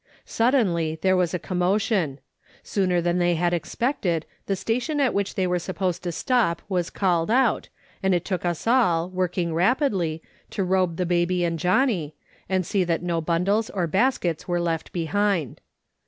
Suddenly there was a commo tion. Sooner than they had expected, the station at which they were to stop was called out, and it took us all, working rapidly, to robe the baby and Johnny, and see that no bundles or baskets were left behind.